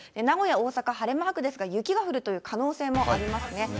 名古屋、大阪、晴れマークですが、雪が降るという可能性もありますね。